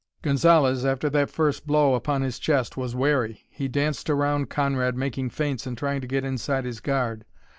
Gonzalez, after that first blow upon his chest, was wary. He danced around Conrad, making feints and trying to get inside his guard.